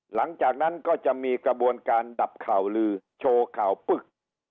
หลังจากนั้นก็จะมีกระบวนการดับข่าวลือโชว์ข่าวปึ๊ก